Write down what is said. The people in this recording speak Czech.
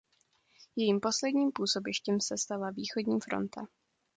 Jejím posledním působištěm se stala východní fronta.